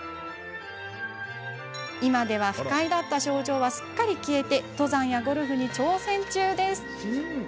今では不快だった症状はすっかり消えて登山やゴルフに挑戦中。